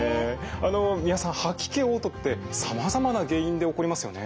あの三輪さん吐き気・おう吐ってさまざまな原因で起こりますよね？